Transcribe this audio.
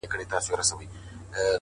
ژوند مي هيڅ نه دى ژوند څه كـړم،